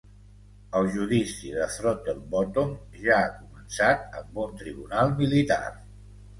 El "judici de Throttlebottom" ja ha començat amb un tribunal militar.